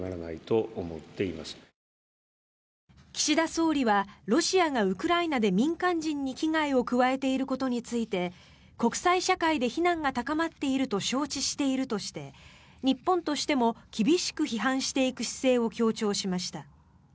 岸田総理はロシアがウクライナで民間人に危害を加えていることについて国際社会で非難が高まっていると承知しているとして日本としても厳しく批判していく姿勢を強調しました。